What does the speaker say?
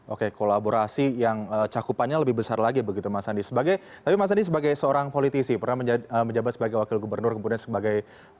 oke kolaborasi yang cakupannya lebih besar lagi begitu mas andi sebagai tapi mas andi sebagai seorang politisi pernah menjabat sebagai wakil gubernur kemudian sebagai